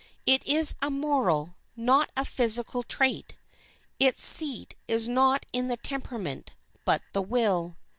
It is a moral, not a physical trait. Its seat is not in the temperament, but the will.